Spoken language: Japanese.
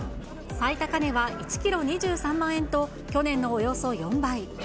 最高値は１キロ２３万円と去年のおよそ４倍。